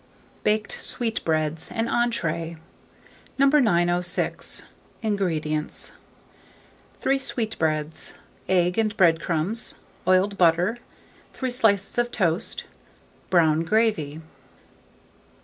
BAKED SWEETBREADS (an Entree). 906. INGREDIENTS. 3 sweetbreads, egg and bread crumbs, oiled butter, 3 slices of toast, brown gravy.